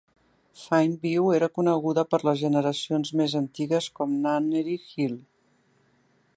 Fineview era coneguda per les generacions més antigues com Nunnery Hill.